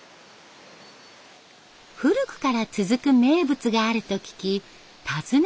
古くから続く名物があると聞き訪ねてみました。